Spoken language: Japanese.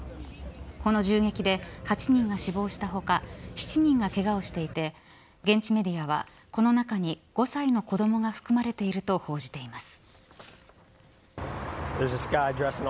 この銃撃で８人が死亡した他７人がけがをしていて現地メディアはこの中に５歳の子どもが含まれていると報じています。